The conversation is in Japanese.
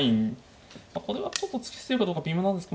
これはちょっと突き捨てるかどうか微妙なんですけど。